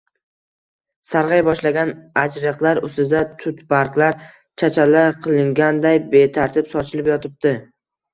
Sargʻaya boshlagan ajriqlar ustida tutbarglar chachala qilinganday betartib sochilib yotibdi.